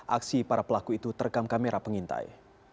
aksi para pelaku itu terekam kamera pengintai